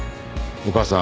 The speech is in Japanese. お母さん